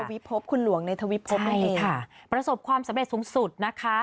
วิพบคุณหลวงในทวิภพนั่นเองค่ะประสบความสำเร็จสูงสุดนะคะ